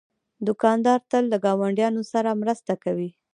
دوکاندار تل له ګاونډیانو سره مرسته کوي.